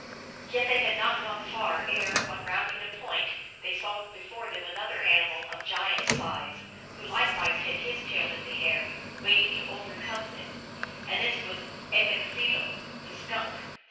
Yet they had not gone far ere, on rounding a point, they saw before them another animal of giant size, who likewise had his tail in the air, waiting to overcome them, and this was A bekk thee lo (M.), the Skunk.